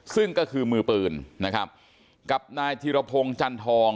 ซึ่งก็คือมือปืนนะครับกับนายธิรพงศ์จันทอง